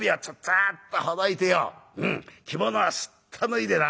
「着物はすっと脱いでな」。